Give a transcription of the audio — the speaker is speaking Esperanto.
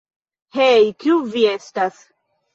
Hej, kiu vi estas?